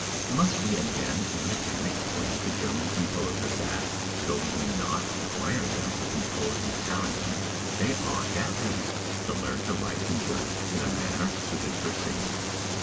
Must we again and again explain to German composers that, though we do not require them to compose in Italian, they ought, at least, to learn to write in German in a manner suited for singing?